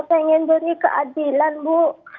saya ingin beri keadilan bu